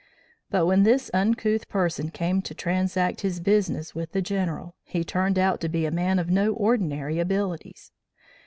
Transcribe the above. But when this uncouth person came to transact his business with the General, he turned out to be a man of no ordinary abilities.